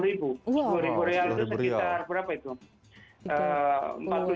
sepuluh ribu real itu sekitar berapa itu